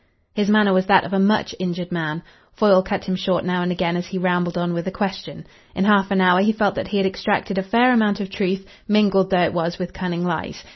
His manner was that of a much injured man. Foyle cut him short now and again as he rambled on with a question. In half an hour he felt that he had extracted a fair amount of truth, mingled though it was with cunning lies.